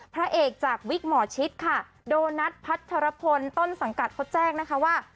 พระเอกจากวิกหมอชีสดูนัฐพัฒนธรพลต้นสังกัจเค้าแจ้งนะคะว่า